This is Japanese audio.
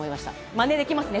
まねできますね。